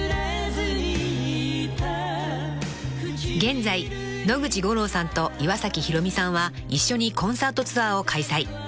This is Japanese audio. ［現在野口五郎さんと岩崎宏美さんは一緒にコンサートツアーを開催］